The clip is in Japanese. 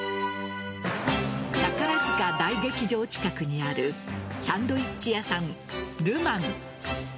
宝塚大劇場近くにあるサンドイッチ屋さん・ルマン。